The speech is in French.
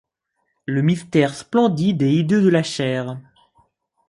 Le mystère splendide et hideux de la chair ;